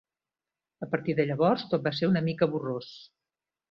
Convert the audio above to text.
A partir de llavors, tot va ser una mica borrós.